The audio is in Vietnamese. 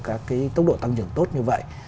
các cái tốc độ tăng trưởng tốt như vậy